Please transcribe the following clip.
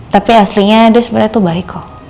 tapi aslinya dia sebenarnya tuh baik kok